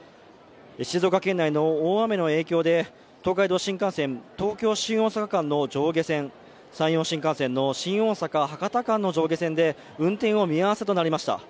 静岡県内の大雨の影響で東海道新幹線、東京−新大阪駅間、上下線、山陽新幹線の新大阪−博多間の上下線で運転を見合わせとなりました。